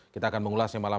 kita akan mengulasnya malam